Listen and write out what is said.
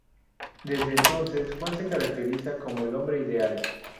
Desde entonces, Juan se caracteriza como el hombre ideal.